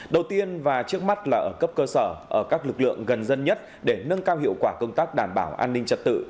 đầu tiên và trước mắt là ở cấp cơ sở ở các lực lượng gần dân nhất để nâng cao hiệu quả công tác đảm bảo an ninh trật tự